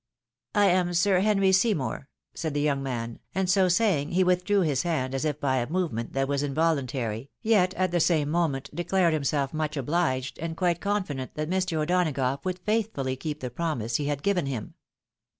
"I am Sir Henry Seymour," said the young man, and so saying, he withdrew his hand as if by a movement that was involuntary, yet at the same moment declared himself much obhged, and quite confident that Mr. O'Donagough would faith frdly keep the promise he had given him.